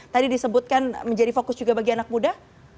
tadi disebutkan menjadi fokus juga bagi anak muda